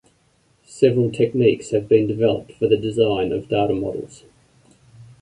Several techniques have been developed for the design of data models.